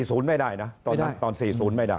แต่๔๐ไม่ได้นะตอน๔๐ไม่ได้